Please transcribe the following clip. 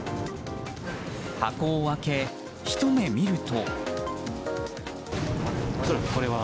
箱を開け、ひと目見ると。